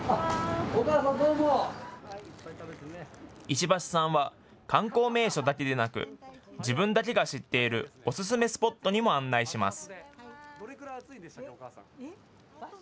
石橋さんは観光名所だけでなく自分だけが知っているおすすめスポットにも案内します。